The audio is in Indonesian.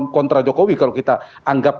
kontra jokowi kalau kita anggap